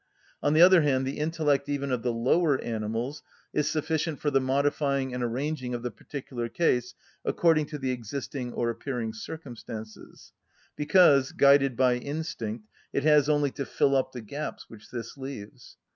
On the other hand, the intellect even of the lower animals is sufficient for the modifying and arranging of the particular case according to the existing or appearing circumstances; because, guided by instinct, it has only to fill up the gaps which this leaves.